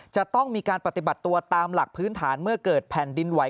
จะต้องมีการปฏิบัติตัวตามหลักพื้นฐานเมื่อเกิดแผ่นดินไหว